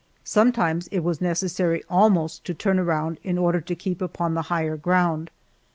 Sometimes it was necessary almost to turn around in order to keep upon the higher ground.